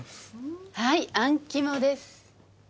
はいあん肝です。